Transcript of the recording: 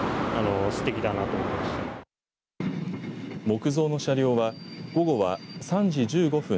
木造の車両は午後は３時１５分